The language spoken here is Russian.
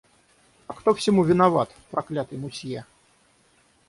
А кто всему виноват? проклятый мусье.